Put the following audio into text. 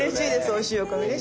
おいしいお米ね。